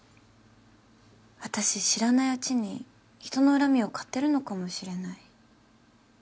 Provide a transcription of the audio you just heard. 私知らないうちに人の恨みを買ってるのかもしれない。